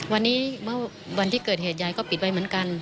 วันนี้เมื่อวันที่เกิดเหตุยายก็ปิดไว้เหมือนกัน